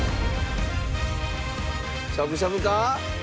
しゃぶしゃぶか？